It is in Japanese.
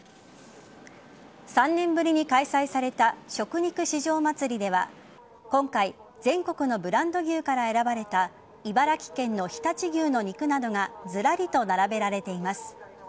３年ぶりに開催された食肉市場まつりでは今回全国のブランド牛から選ばれた茨城県の常陸牛の肉などがずらりと並べられています。